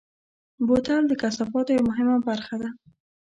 بوتل د کثافاتو یوه مهمه برخه ده.